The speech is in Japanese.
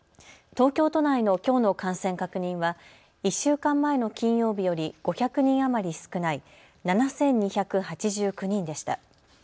東京都内のきょうの感染確認は１週間前の金曜日より５００人余り少ない、７２８９人でした。